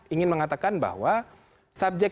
ingin mengatakan bahwa subjek